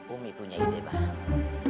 umi punya ide bah